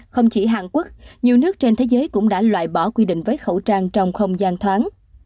không chỉ hàn quốc nhiều nước trên thế giới cũng đã loại bỏ quy định với khẩu trang trong không gian thoáng